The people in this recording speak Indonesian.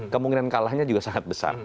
kemungkinan kalahnya juga sangat besar